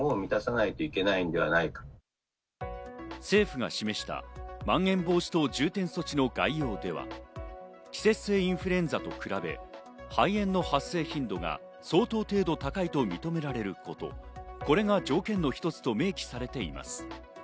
政府が示した、まん延防止等重点措置の概要では、季節性インフルエンザと比べ、肺炎の発生頻度が相当程度高いと認められること、これが条件の一つと明記されています。